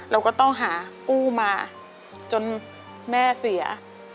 เราก็หาอู้มาจนแม่เสีย